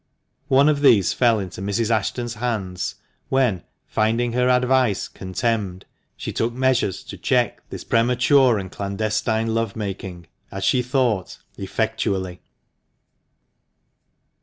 One of these fell into Mrs. Ashton's hands, when, finding her advice contemned, she took measures to check this premature and clandestine love making, as she thought, effectually.